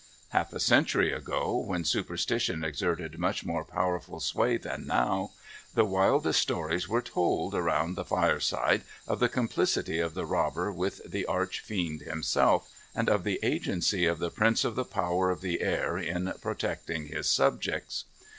Half a century ago, when superstition exerted much more powerful sway than now, the wildest stories were told, around the fireside, of the complicity of the robber with the Archfiend himself, and of the agency of the Prince of the Power of the Air in protecting his subjects.